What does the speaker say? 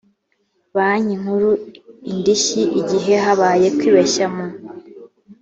banki nkuru indishyi igihe habaye kwibeshya mu